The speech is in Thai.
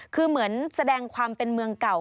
คือเหมือนแสดงความเป็นเมืองเก่า